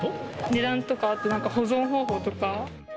値段とか、あとなんか保存方法とか。